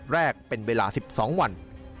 แรกเป็นเวลา๑๒วัน